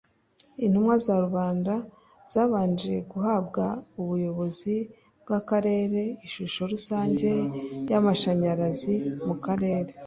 Intumwa za rubanda zabanje guhabwa n’ubuyobozi bw’akarere ishusho rusange y’amashanyarazi mu karere